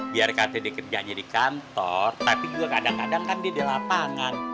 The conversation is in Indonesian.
biar kan dia kerjanya di kantor tapi juga kadang kadang kan dia di lapangan